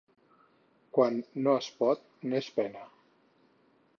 Quan no es pot no es pena.